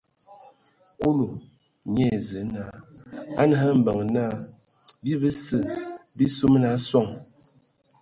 Kulu nye ai Zǝə naa: A nǝ hm mbeŋ naa bii bəse bii suman a soŋ.